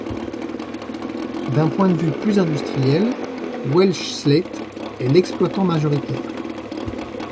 D'un point de vue plus industriel, Welsh Slate est l'exploitant majoritaire.